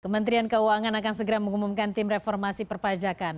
kementerian keuangan akan segera mengumumkan tim reformasi perpajakan